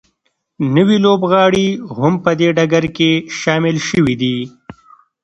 نوي لوبغاړي هم په دې ډګر کې شامل شوي دي